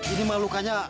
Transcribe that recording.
ini mah lukaya